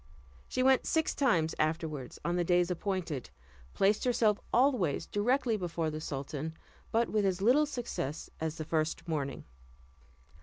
She went six times afterward on the days appointed, placed herself always directly before the sultan, but with as little success as the first morning.